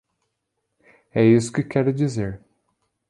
É isso que quero dizer.